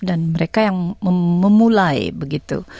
dan mereka yang memulai